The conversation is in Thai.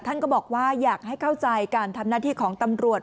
ท่านก็บอกว่าอยากให้เข้าใจการทำหน้าที่ของตำรวจ